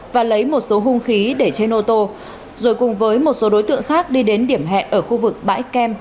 và lấy một số hung khí để trên ô tô rồi cùng với một số đối tượng khác đi đến điểm hẹn ở khu vực bãi kem